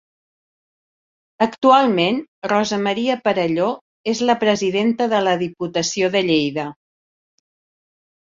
Actualment Rosa Maria Perelló és la Presidenta de la Diputació de Lleida.